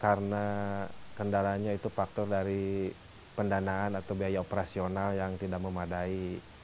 karena kendalanya itu faktor dari pendanaan atau biaya operasional yang tidak memadai